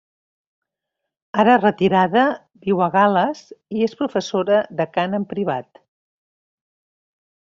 Ara retirada, viu a Gal·les i és professora de cant en privat.